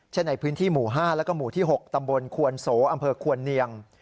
เช่นในพื้นที่หมู่๕และหมู่๖ตำเบิ่นควนโสอำเภอขวนเนียง